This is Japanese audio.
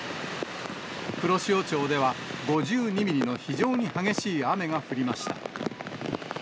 黒潮町では、５２ミリの非常に激しい雨が降りました。